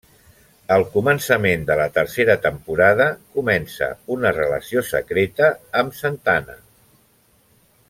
Al començament de la tercera temporada, comença una relació secreta amb Santana.